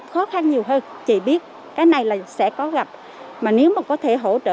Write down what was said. khác biệt một chút